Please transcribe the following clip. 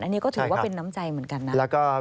อันนี้ก็ถือว่าเป็นน้ำใจเหมือนกันนะ